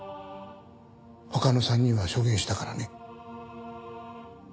他の３人は証言したからね。